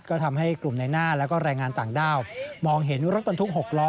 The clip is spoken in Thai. ก็ทำให้กลุ่มในหน้าแล้วก็แรงงานต่างด้าวมองเห็นรถบรรทุก๖ล้อ